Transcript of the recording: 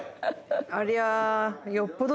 ありゃ。